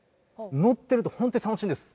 乗ってるとホントに楽しいんです。